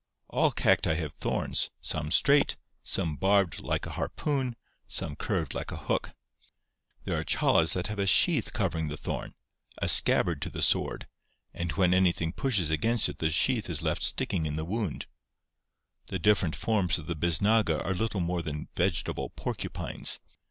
All cacti have thorns, some straight, some barbed like a harpoon, some curved like a hook. There are chollas that have a sheath covering the thorn — a scabbard to the sword — and when anything pushes against it the sheath is left sticking in the wound. The different forms of the bisnaga are little more than vegetable porcupines.